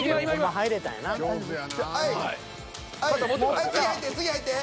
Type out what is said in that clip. はい次入って次入って。